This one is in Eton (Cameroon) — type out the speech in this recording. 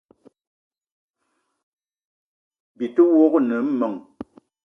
Byi te wok ne meng :